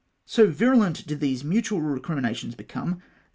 ^o virulent did these mutual recriminations become, thaf.